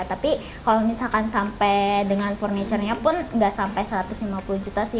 tapi kalau misalkan sampai dengan furniture nya pun nggak sampai satu ratus lima puluh juta sih